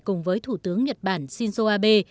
cùng với thủ tướng nhật bản shinzo abe